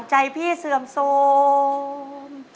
เพราะเธอชอบเมือง